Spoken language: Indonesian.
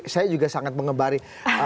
saya juga sangat mengembari